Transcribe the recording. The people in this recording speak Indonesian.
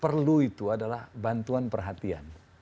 perlu itu adalah bantuan perhatian